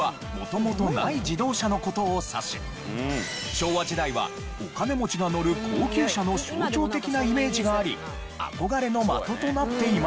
昭和時代はお金持ちが乗る高級車の象徴的なイメージがあり憧れの的となっていましたが。